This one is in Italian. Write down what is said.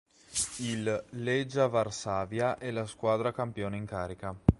Il Legia Varsavia è la squadra campione in carica.